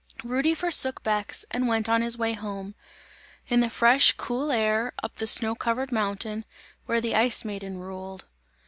Rudy forsook Bex and went on his way home, in the fresh, cool air, up the snow covered mountain, where the Ice Maiden ruled.